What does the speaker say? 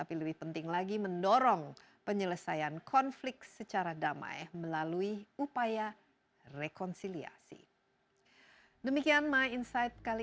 indonesia yang memiliki politik luar negeri bebas aktif harus mampu bersikap netral